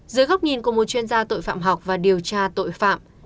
dưới góc nhìn của một chuyên gia tội phạm học và điều tra tội phạm